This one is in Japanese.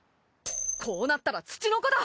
こうなったらツチノコだ！